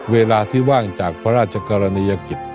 เวลาที่ว่างจากพระราชกรณียกิจ